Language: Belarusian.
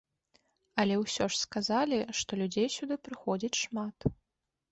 Але ўсё ж сказалі, што людзей сюды прыходзіць шмат.